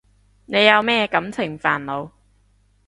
你有咩感情煩惱？